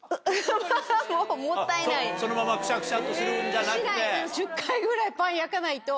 そのままクシャクシャっとするんじゃなくて。